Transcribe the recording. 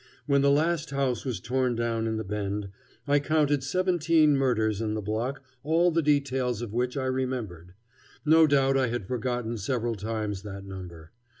When the last house was torn down in the Bend, I counted seventeen murders in the block all the details of which I remembered. No doubt I had forgotten several times that number.